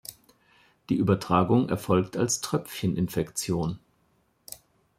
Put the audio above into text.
Die Übertragung erfolgt als Tröpfcheninfektion.